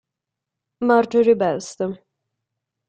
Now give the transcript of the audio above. Marjorie Best